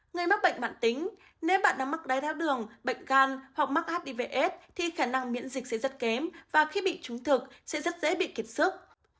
người mắc bệnh mạng tính nếu bạn đang mắc đáy tháo đường bệnh gan hoặc mắc hivs thì khả năng miễn dịch sẽ rất kém và khi bị trúng thực sẽ rất dễ bị kiệt sức